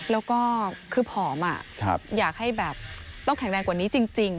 แล้วก็คือผอมอยากให้แบบต้องแข็งแรงกว่านี้จริง